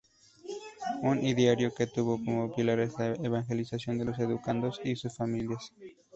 Un ideario que tuvo como pilares la evangelización de los educandos y sus familias.